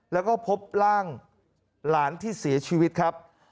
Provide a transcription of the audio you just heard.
แล้วก็พบร่างหลานที่เสียชีวิตครับ